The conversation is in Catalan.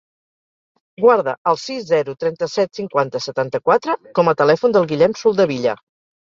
Guarda el sis, zero, trenta-set, cinquanta, setanta-quatre com a telèfon del Guillem Soldevilla.